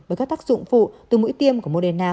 với các tác dụng phụ từ mũi tiêm của moderna